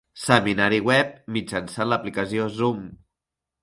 Seminari web mitjançant l'aplicació Zoom.